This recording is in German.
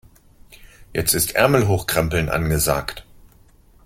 Jetzt ist Ärmel hochkrempeln angesagt.